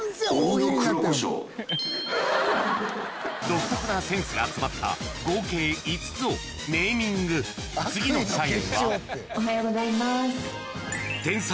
独特なセンスが詰まった合計５つをネーミング次の社員はおはようございます。